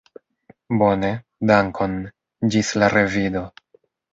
Bone, dankon; ĝis la revido.